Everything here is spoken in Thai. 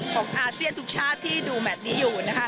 อาเซียนทุกชาติที่ดูแมทนี้อยู่นะคะ